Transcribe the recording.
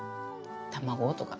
卵とか。